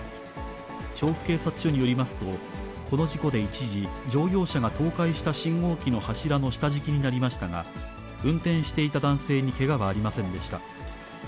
長府警察署によりますと、この事故で一時、乗用車が倒壊した信号機の柱の下敷きになりましたが、運転していた男性にけがはありませんでした。